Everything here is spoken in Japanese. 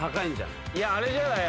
いやあれじゃない？